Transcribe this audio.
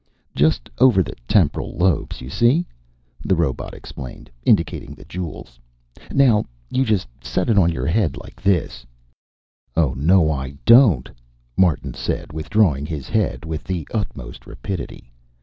"Just over the temporal lobes, you see," the robot explained, indicating the jewels. "Now you just set it on your head, like this " "Oh no I don't," Martin said, withdrawing his head with the utmost rapidity.